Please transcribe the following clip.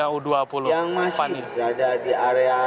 yang masih berada di area